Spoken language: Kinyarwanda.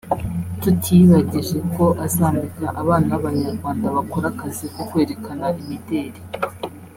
tutiyibagije ko azambika abana b’Abanyarwanda bakora akazi ko kwerekana imideli